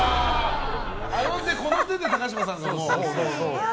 あの手この手で、高嶋さんが。